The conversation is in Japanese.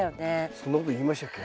そんなこと言いましたっけ。